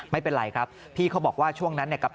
ไม่เป็นไรครับพี่เขาบอกว่าช่วงนั้นเนี่ย